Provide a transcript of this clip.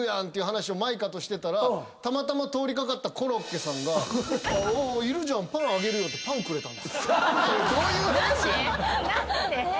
って話を舞香としてたらたまたま通り掛かったコロッケさんが「いるじゃん！パンあげるよ」ってパンをくれたんです。